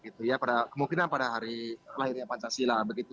kemungkinan pada hari lahirnya pancasila